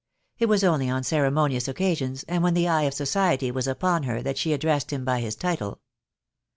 It was only on ceremonious occasions, and when the eye of society was upon her that she addressed him by his title.